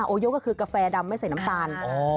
โยก็คือกาแฟดำไม่ใส่น้ำตาล